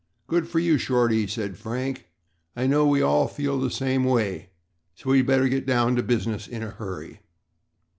"Good for you, Shorty," said Frank. "I know we all feel the same way so we had better get down to business in a hurry."